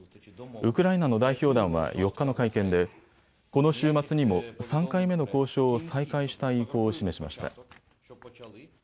ウクライナの代表団は４日の会見でこの週末にも３回目の交渉を再開したい意向を示しました。